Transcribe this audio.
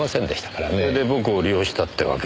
それで僕を利用したってわけ？